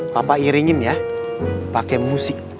papa iringin ya pakai musik